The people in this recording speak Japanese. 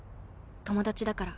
友達だから。